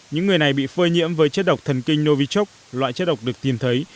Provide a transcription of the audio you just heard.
những người này bị phơi nhiễm với chất độc thần kinh novichok loại chất độc được tìm thấy